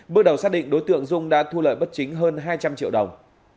bước đầu xác định đối tượng dung đã thu lợi bất chính hơn hai trăm linh triệu đồng